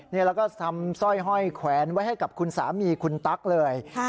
แล้วก็ทำสร้อยห้อยแขวนไว้ให้กับคุณสามีคุณตั๊กเลย